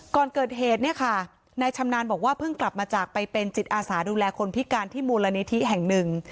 ก่อนเกิดเหตุเนี่ยค่ะนายชำนาญบอกว่าเพิ่งกลับมาจากไปเป็นจิตอาสาดูแลคนพิการที่มูลนิธิแห่งหนึ่ง